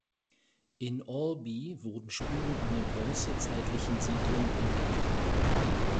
In Alby wurden Spuren einer bronzezeitlichen Siedlung entdeckt.